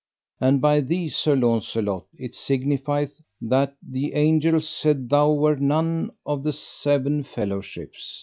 And by thee, Sir Launcelot, it signifieth that the angels said thou were none of the seven fellowships.